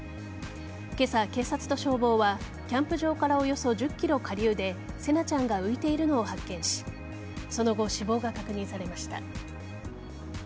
今朝、警察と消防はキャンプ場からおよそ１０ｋｍ下流で聖凪ちゃんが浮いているのを発見しその後、死亡が確認されました。